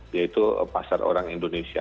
yaitu pasar orang indonesia